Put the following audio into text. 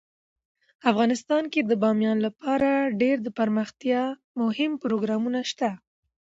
افغانستان کې د بامیان لپاره ډیر دپرمختیا مهم پروګرامونه شته دي.